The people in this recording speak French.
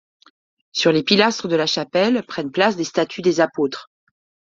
Sur les pilastres de la chapelle prennent place des statues des apôtres.